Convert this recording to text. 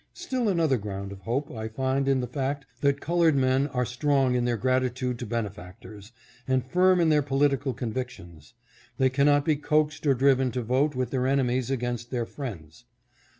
Still another ground of hope I find in the fact that colored men are strong in their gratitude to benefactors, and firm in their political convictions. They cannot be coaxed or driven to vote with their enemies against their friends.